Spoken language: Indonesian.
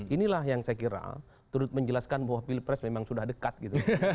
inilah yang saya kira turut menjelaskan bahwa pilpres memang sudah dekat gitu